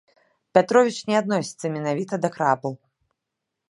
Пятровіч не адносіцца менавіта да крабаў.